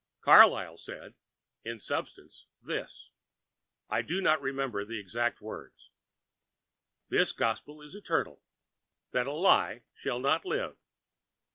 Carlyle said, in substance, this—I do not remember the exact words: 'This gospel is eternal—that a lie shall not live.'